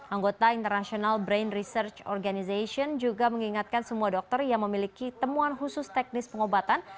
anggota international brain research organization juga mengingatkan semua dokter yang memiliki temuan khusus teknis pengobatan